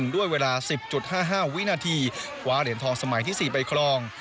ด้วยเวลา๑๐๕๕วินาทีคว้าเหรียญทองสมัยที่๔ไปครอง